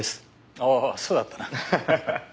おおそうだったな。